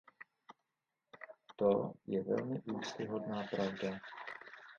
To je velmi úctyhodná pravda.